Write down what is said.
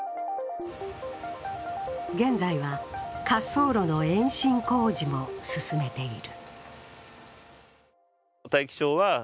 現在は滑走路の延伸工事も進めている。